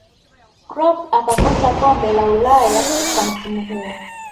kloop akakosa kombe la ulaya kwa msimu huo